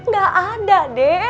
gak ada deh